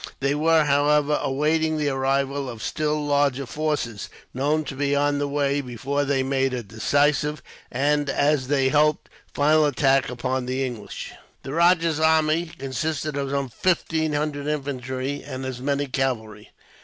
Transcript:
They were, however, awaiting the arrival of still larger forces, known to be on the way, before they made a decisive and, as they hoped, final attack upon the English. The rajah's army consisted of some fifteen hundred infantry, and as many cavalry.